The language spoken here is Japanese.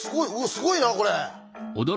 すごいなこれ。